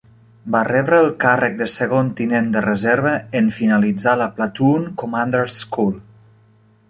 Va rebre el càrrec de segon tinent de reserva en finalitzar la Platoon Commander's School.